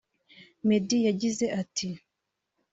Meddy yagize ati